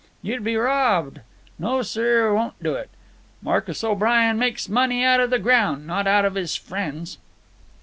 You'd be robbed. No, sir; won't do it. Marcus O'Brien makes money out of the groun', not out of his frien's."